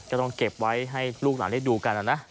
ก็ต้องเก็บไว้ให้ลูกหลานได้ดูกันนะนะ